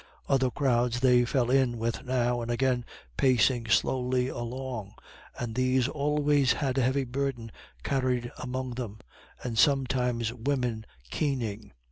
Other crowds they fell in with now and again, pacing slowly along, and these always had a heavy burden carried among them, and sometimes women keening.